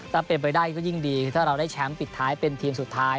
ถ้าเป็นไปได้ก็ยิ่งดีคือถ้าเราได้แชมป์ปิดท้ายเป็นทีมสุดท้าย